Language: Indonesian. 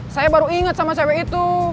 saya baru ingat sama cewek itu